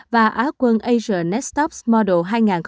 hai nghìn một mươi ba và á quân asia next top model hai nghìn một mươi bảy